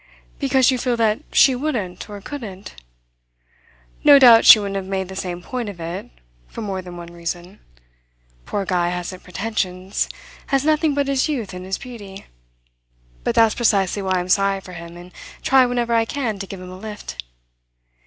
"Because you feel that she wouldn't, or couldn't? No doubt she wouldn't have made the same point of it for more than one reason. Poor Guy hasn't pretensions has nothing but his youth and his beauty. But that's precisely why I'm sorry for him and try whenever I can to give him a lift.